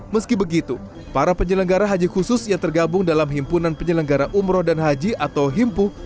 meski begitu para penyelenggara haji khusus yang tergabung dalam himpunan penyelenggara umroh dan haji atau himpuh